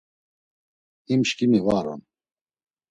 Hem şǩimi va on.